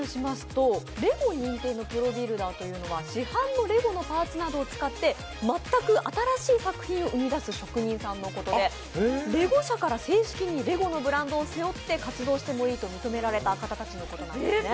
レゴ認定のプロビルダーというのは市販のレゴのパーツなどを使って全く新しい作品を生み出す職人さんのことでレゴ社から正式にレゴのブランドを背負って活動してもいいと認められた方たちのことなんですね。